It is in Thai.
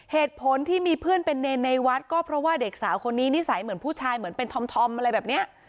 เหตุผลที่มีเพื่อนเป็นเนรในวัดก็เพราะว่าเด็กสาวคนนี้นิสัยเหมือนผู้ชายเหมือนเป็นธอมอะไรแบบเนี้ย